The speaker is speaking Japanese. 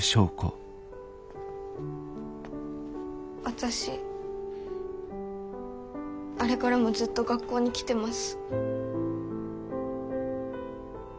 私あれからもずっと学校に来てます。